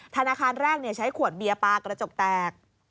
ธนาคารแรกใช้ขวดเบียร์ปลากระจกแตก